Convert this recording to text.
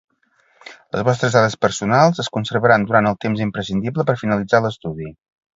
Les vostres dades personals es conservaran durant el temps imprescindible per finalitzar l'estudi.